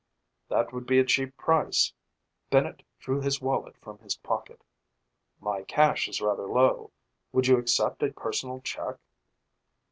"That would be a cheap price." Bennett drew his wallet from his pocket. "My cash is rather low. Would you accept a personal check?"